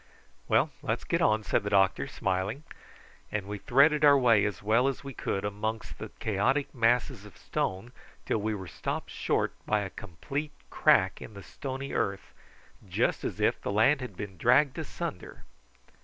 "Well, let's get on," said the doctor, smiling; and we threaded our way as well as we could amongst the chaotic masses of stones till we were stopped short by a complete crack in the stony earth, just as if the land had been dragged asunder.